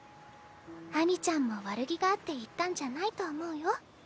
秋水ちゃんも悪気があって言ったんじゃないと思うよ。